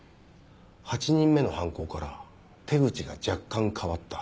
８人目の犯行から手口が若干変わった。